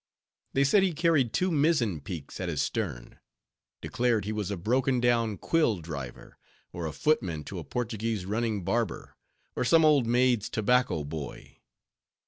They said he carried two mizzen peaks at his stern; declared he was a broken down quill driver, or a footman to a Portuguese running barber, or some old maid's tobacco boy.